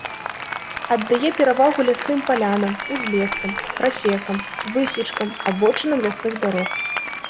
Аддае перавагу лясным палянам, узлескам, прасекам, высечкам, абочынам лясных дарог.